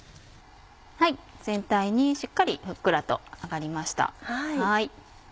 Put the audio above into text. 全体にしっかりふっくらと揚がりました。